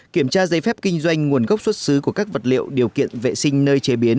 kiểm tra giấy phép kinh doanh nguồn gốc xuất xứ của các vật liệu điều kiện vệ sinh nơi chế biến